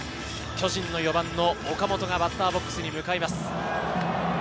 巨人の４番の岡本がバッターボックスに向かいます。